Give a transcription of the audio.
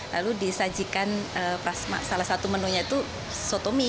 lalu disajikan salah satu menunya itu sotomi